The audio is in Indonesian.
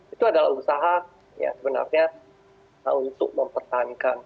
itu adalah usaha ya sebenarnya untuk mempertahankan